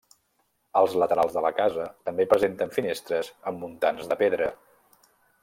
Els laterals de la casa també presenten finestres amb muntants de pedra.